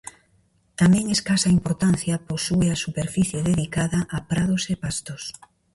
Tamén escasa importancia posúe a superficie dedicada a prados e pastos.